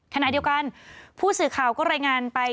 ขณะเดียวกันผู้สื่อข่าวก็รายงานไป